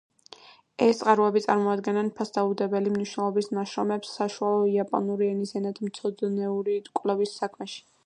ეს წყაროები წარმოადგენენ ფასდაუდებელი მნიშვნელობის ნაშრომებს საშუალო იაპონური ენის ენათმეცნიერული კვლევის საქმეში.